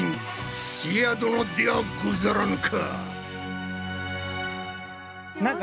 土屋殿ではござらぬか！